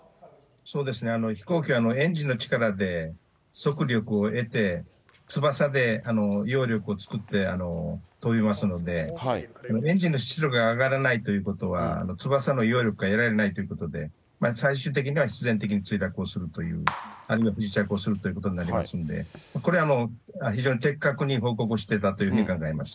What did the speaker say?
そうですね、飛行機はエンジンの力で速力を得て、翼でようりょくを作って飛びますので、エンジンの出力が上がらないということは、翼のようりょくが得られないということで、最終的には必然的に墜落をするという、あるいは不時着をするという感じになりますので、これは非常に的確に報告をしてたというふうに考えます。